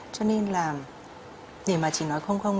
cho nên là để mà chị nói không không